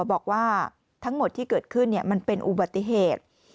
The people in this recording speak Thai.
บอกว่าทั้งหมดที่เกิดขึ้นมันเป็นอุบัติเหตุ